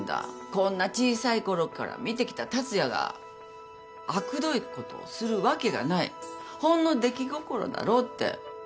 こんな小さいころから見てきた達也があくどいことをするわけがないほんの出来心だろうって。